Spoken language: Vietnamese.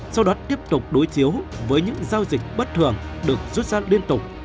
sau đó tiếp tục đối chiếu với những giao dịch bất thường được rút sát liên tục